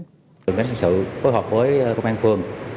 tình hình pháp hình sự phối hợp với công an phường